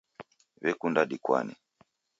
W'ekunda dikwane